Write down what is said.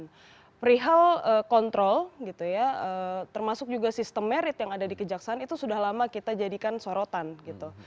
nah kejaksaan itu sudah lama kita kontrol gitu ya termasuk juga sistem merit yang ada di kejaksaan itu sudah lama kita jadikan sorotan gitu